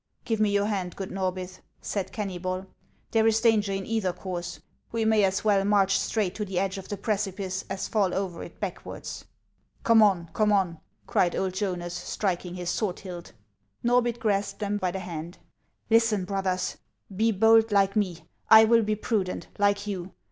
" Give me your hand, good Norbith," said Kennybol ;" there is danger in either course. We may as well march straight to the edge of the precipice as fall over it, backwards." " Come on '. come on !" cried old Jonas, striking his sword hilt. Norbith grasped them by the hand. " Listen, brothers ! Be bold, like me ; I will be prudent, like you.